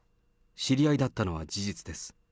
知り合いだったのは事実です。